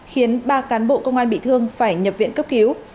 khiến ba cán bộ công an bị thương phải nhập viện cấp cứu